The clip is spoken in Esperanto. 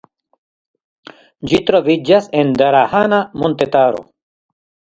Ĝi troviĝas en Drahana montetaro.